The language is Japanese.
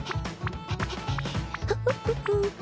フフフフン。